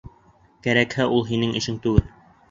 Кәрәкһә, ул һинең эшең түгел.